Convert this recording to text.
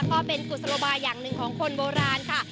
ก็เป็นกุศโลบายอย่างหนึ่งของคนโบราณค่ะ